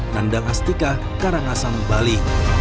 nandang astika karangasem bali